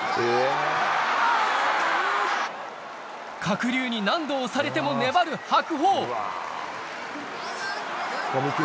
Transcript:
鶴竜に何度押されても粘る白鵬